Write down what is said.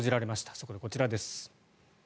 そこでこちらです。